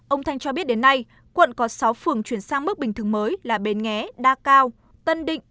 ông thanh cho biết đến nay quận có sáu phường chuyển sang mức bình thường mới là bến nghé đa cao tân định